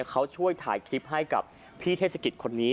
เขาช่วยถ่ายคลิปให้กับพี่เทศกิจคนนี้